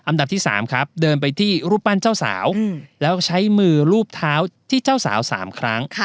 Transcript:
อันดับที่๓ครับเดินไปที่รูปปั้นเจ้าสาวแล้วใช้มือรูปเท้าที่เจ้าสาว๓ครั้ง